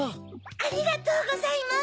ありがとうございます！